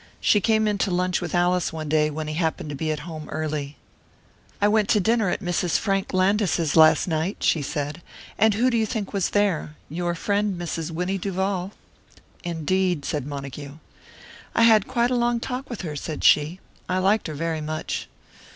She came in to lunch with Alice one day, when he happened to be home early. "I went to dinner at Mrs. Frank Landis's last night," she said. "And who do you think was there your friend, Mrs. Winnie Duval." "Indeed," said Montague. "I had quite a long talk with her," said she. "I liked her very much."